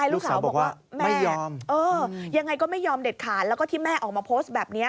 ลูกสาวบอกว่าแม่ยังไงก็ไม่ยอมเด็ดขาดแล้วก็ที่แม่ออกมาโพสต์แบบนี้